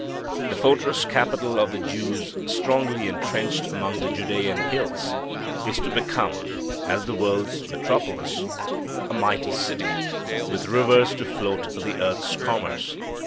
The fortress capital of the Jews strongly entrenched among the Judean hills is to become, as the world's metropolis, a mighty city, with rivers to float the earth's commerce.